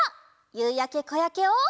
「ゆうやけこやけ」を。